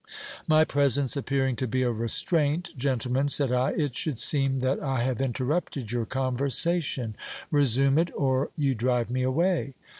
My presence appearing to be a restraint, Gentlemen, said I, it should seem that I have interrupted your conversation : resume it, or you drive me away.